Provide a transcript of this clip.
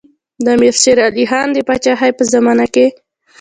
د امیر شېر علي خان د پاچاهۍ په زمانه کې.